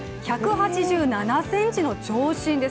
１８７ｃｍの長身です。